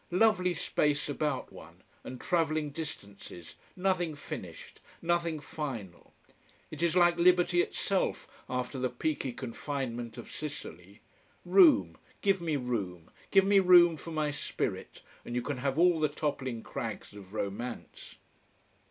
Lovely space about one, and traveling distances nothing finished, nothing final. It is like liberty itself, after the peaky confinement of Sicily. Room give me room give me room for my spirit: and you can have all the toppling crags of romance.